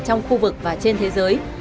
trong khu vực và trên thế giới